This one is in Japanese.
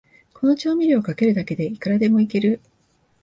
この調味料をかけるだけで、いくらでもイケる